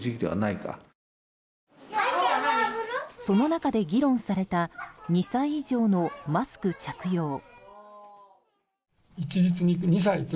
その中で議論された２歳以上のマスク着用。